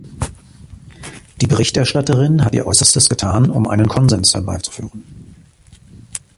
Die Berichterstatterin hat ihr Äußerstes getan, um einen Konsens herbeizuführen.